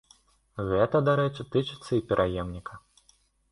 Гэта, дарэчы, тычыцца і пераемніка.